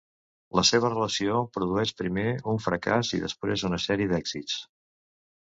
La seva relació produeix primer un fracàs i després una sèrie d’èxits.